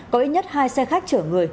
có ít nhất hai xe khách chở người